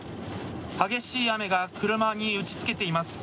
激しい雨が車に打ちつけています。